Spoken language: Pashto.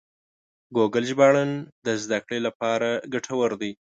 ګوګل ژباړن د زده کړې لپاره ګټور دی.